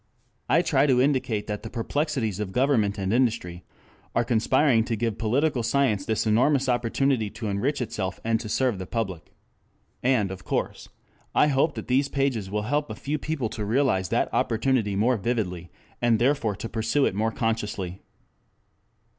I try to indicate that the perplexities of government and industry are conspiring to give political science this enormous opportunity to enrich itself and to serve the public. And, of course, I hope that these pages will help a few people to realize that opportunity more vividly, and therefore to pursue it more consciously.